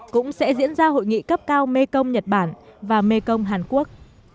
cũng sẽ diễn ra hội nghị cấp cao mekong nhật bản và mekong hàn quốc